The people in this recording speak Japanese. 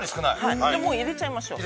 もう入れちゃいましょう。